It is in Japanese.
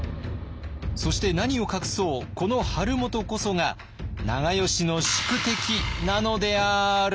そして何を隠そうこの晴元こそが長慶の宿敵なのである。